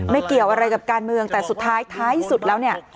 เกี่ยวอะไรกับการเมืองแต่สุดท้ายท้ายสุดแล้วเนี่ย